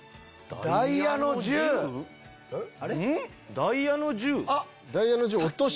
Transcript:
ダイヤの１０？